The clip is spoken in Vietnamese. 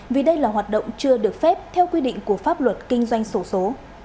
vì đây là hoạt động chưa được phép theo quy định của pháp luật kinh doanh sổ số